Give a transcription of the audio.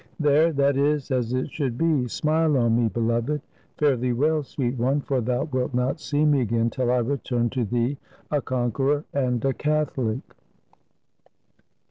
There, that is as it should be; smile on me, beloved. Fare thee well, sweet one, for thou wilt not see me again till I return to thee a con queror and a Catholic."